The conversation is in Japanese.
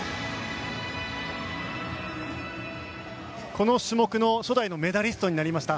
この種目の初代のメダリストになりました。